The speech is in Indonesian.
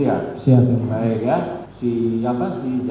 siapa si jalan jalan itu orang apa namanya